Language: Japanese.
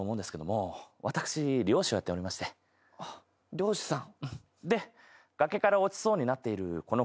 猟師さん？